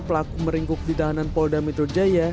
pelaku meringkuk di tahanan polda metro jaya